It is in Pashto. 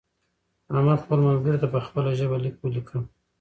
احمد خپل ملګري ته په خپله ژبه لیک ولیکه.